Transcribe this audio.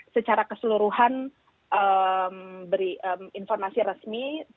secara keseluruhan beri informasi resmi